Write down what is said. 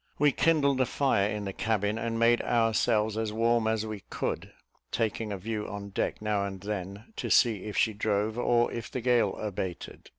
We kindled a fire in the cabin, and made ourselves as warm as we could, taking a view on deck now and then, to see if she drove, or if the gale abated.